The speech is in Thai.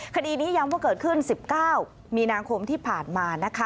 คดีนี้ย้ำว่าเกิดขึ้น๑๙มีนาคมที่ผ่านมานะคะ